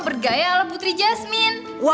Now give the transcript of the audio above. bergaya ala putri jawa